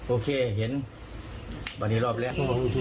โอเคเห็นวันนี้รอบแรก